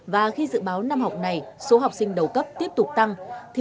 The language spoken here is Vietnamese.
và khi dự báo năm học này số học sinh đầu cấp tiếp tục tăng